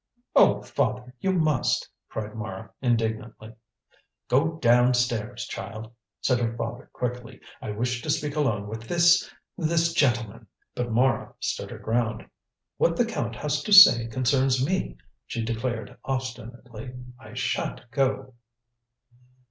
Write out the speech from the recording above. "Oh, father, you must!" cried Mara, indignantly. "Go down stairs, child," said her father quickly; "I wish to speak alone with this this gentleman." But Mara stood her ground. "What the Count has to say concerns me," she declared obstinately. "I shan't go!"